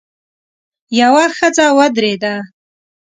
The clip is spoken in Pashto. يوه ښځه ودرېده.